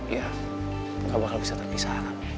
ya gak bakal bisa terpisah